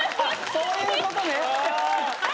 そういうことね。